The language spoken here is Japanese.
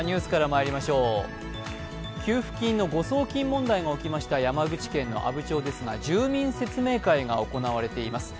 給付金の誤送金問題が起きました山口県の阿武町ですが住民説明会が行われています。